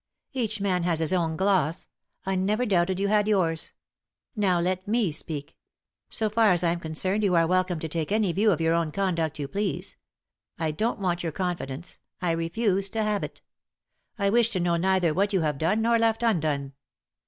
"Each man has his own gloss; I never doubted you had yours. Now let me speak. So far as I'm 6l !: db/ Google THE INTERRUPTED KISS concerned you are welcome to take any view of your own conduct you please. I don't want your confidence — I refuse to have it. I wish to know neither what you have done nor left undone.